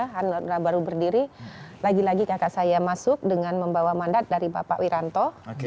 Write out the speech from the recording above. hanura baru berdiri lagi lagi kakak saya masuk dengan membawa mandat dari bapak wiranto